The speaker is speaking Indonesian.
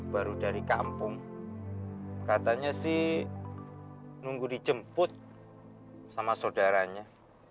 baru dari kampung katanya sih nunggu dijemput sama saudaranya